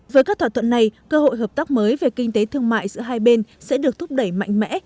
với các thỏa thuận này cơ hội hợp tác mới về kinh tế thương mại giữa hai bên sẽ được thúc đẩy mạnh mẽ